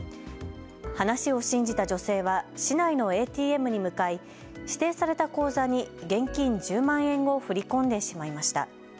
話を信じた女性は市内のＡＴＭに向かい指定された口座に現金１０万円を振り込んでしまいました。